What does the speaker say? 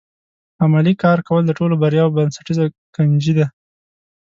عملي کار کول د ټولو بریاوو بنسټیزه کنجي ده.